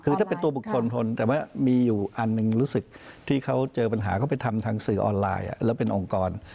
คือถ้าเป็นตัวบุคคลพลแต่ว่ามีอยู่อันหนึ่งรู้สึกที่เขาเจอปัญหาเขาไปทำทางสื่อออนไลน์แล้วเป็นองค์กร